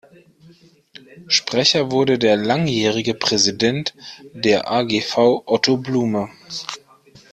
Sprecher wurde der langjährige Präsident der AgV Otto Blume.